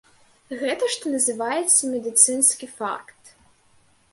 Гэта, што называецца, медыцынскі факт.